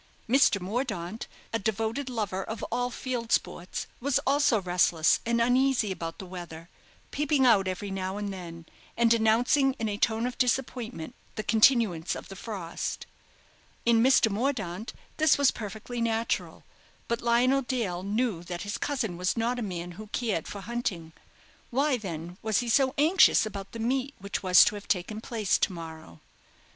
Mr. Mordaunt, a devoted lover of all field sports, was also restless and uneasy about the weather, peeping out every now and then, and announcing, in a tone of disappointment, the continuance of the frost. In Mr. Mordaunt this was perfectly natural; but Lionel Dale knew that his cousin was not a man who cared for hunting. Why, then, was he so anxious about the meet which was to have taken place to morrow?